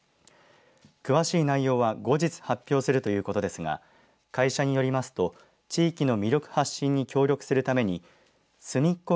詳しい内容は後日発表するということですが会社によりますと地域の魅力発信に協力するためにすみっコ